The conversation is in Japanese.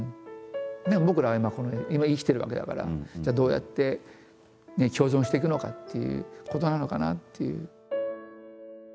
でも僕らは今この今生きてるわけだからじゃあどうやって共存していくのかっていうことなのかなっていう。